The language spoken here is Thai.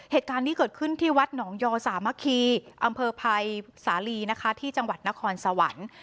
เหตุการณ์นี้เกิดขึ้นที่วัดหนองยอสามัคคีอำเภอภัยสาลีนะคะที่จังหวัดนครสวรรค์